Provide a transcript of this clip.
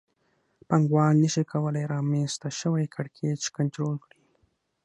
پانګوال نشي کولای رامنځته شوی کړکېچ کنټرول کړي